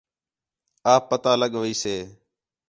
آپ پتہ لڳ ویسے